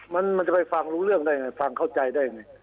มันจะไปฟังรู้เรื่องได้ไงฟังเข้าใจได้ยังไง